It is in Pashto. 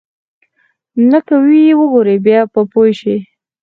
نه که ويې وګورې بيا به پوى شې.